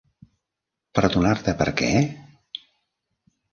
Perdonar-te per què?